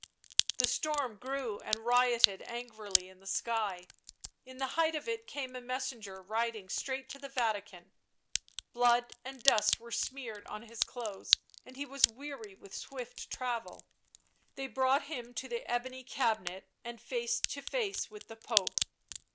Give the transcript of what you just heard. The storm grew and rioted angrily in the sky ; in the height of it came a messenger riding straight to the Vatican. Blood and dust were smeared on his clothes, and he was weary with swift travel ; they brought him to the ebony cabinet and face to face with the Pope.